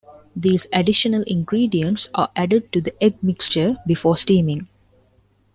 These additional ingredients are added to the egg mixture before steaming.